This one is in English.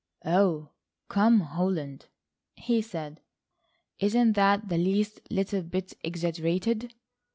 "Oh, come, Holland," he said, "isn't that the least little bit exaggerated?